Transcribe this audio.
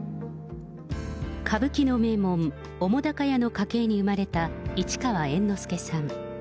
歌舞伎の名門、澤瀉屋の家系に生まれた市川猿之助さん。